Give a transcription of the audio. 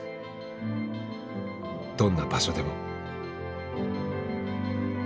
どんな場所でも。